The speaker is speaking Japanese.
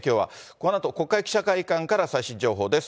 このあと、国会記者会館から最新情報です。